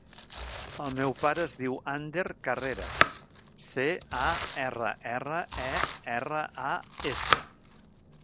El meu pare es diu Ander Carreras: ce, a, erra, erra, e, erra, a, essa.